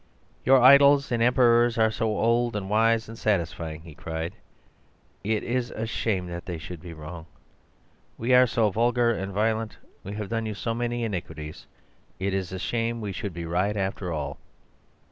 "'Your idols and emperors are so old and wise and satisfying,' he cried, 'it is a shame that they should be wrong. We are so vulgar and violent, we have done you so many iniquities— it is a shame we should be right after all.